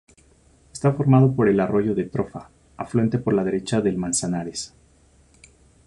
Está formado por el arroyo de Trofa, afluente por la derecha del Manzanares.